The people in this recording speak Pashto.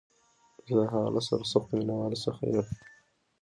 زه د هغه له سرسختو مینوالو څخه یم